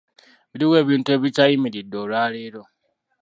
Biriwa ebintu ebikyayimiridde olwaleero ?